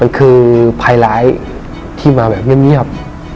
มันคือภัยร้ายที่มาแบบเงียบ